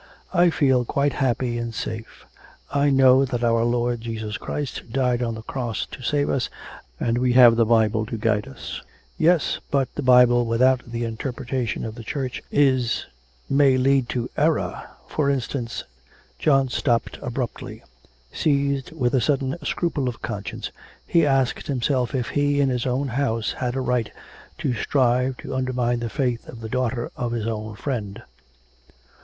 'I feel quite happy and safe. I know that our Lord Jesus Christ died on the Cross to save us, and we have the Bible to guide us.' 'Yes, but the Bible without the interpretation of the Church is... may lead to error. For instance....' John stopped abruptly. Seized with a sudden scruple of conscience, he asked himself if he, in his own house, had a right to strive to undermine the faith of the daughter of his own friend.